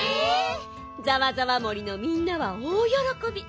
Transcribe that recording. ざわざわ森のみんなはおおよろこび。